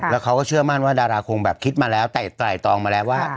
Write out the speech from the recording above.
แล้วเขาก็เชื่อมั่นว่าดาราคงแบบคิดมาแล้วไตรตองมาแล้วว่า